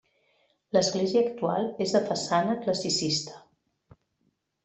L'església actual és de façana classicista.